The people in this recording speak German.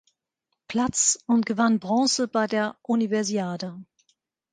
Platz und gewann Bronze bei der Universiade.